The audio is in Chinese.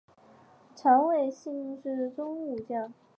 长尾景信是室町时代中期武将。